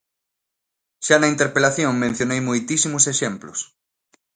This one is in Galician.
Xa na interpelación mencionei moitísimos exemplos.